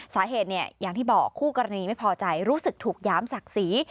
สาเหตุเนี่ยอย่างที่บอกคู่กรณีไม่พอใจรู้สึกถูกหยามศักดิ์ศรี